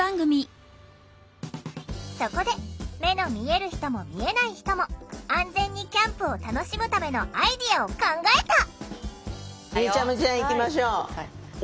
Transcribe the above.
そこで目の見える人も見えない人も安全にキャンプを楽しむためのアイデアを考えた！